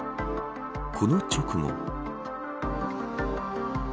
この直後。